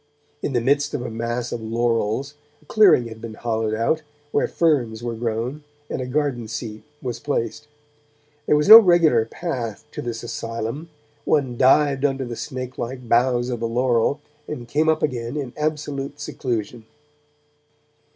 In the midst of a mass of laurels, a clearing had been hollowed out, where ferns were grown and a garden seat was placed. There was no regular path to this asylum; one dived under the snake like boughs of the laurel and came up again in absolute seclusion.